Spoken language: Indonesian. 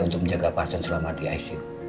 untuk menjaga pasien selama di icu